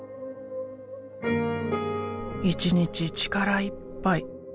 １日力いっぱい。